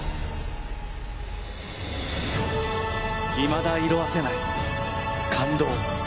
いまだ色あせない感動。